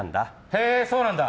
へえ、そうなんだ。